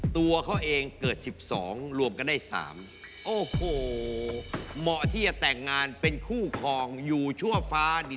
ตัวเขาเองเกิด๑๒รวมกันได้๓